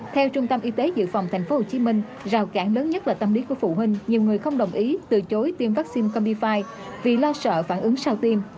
theo trung tâm y tế dự phòng thành phố hồ chí minh rào cản lớn nhất là tâm lý của phụ huynh nhiều người không đồng ý từ chối tiêm vaccine combi fi vì lo sợ phản ứng sau tiêm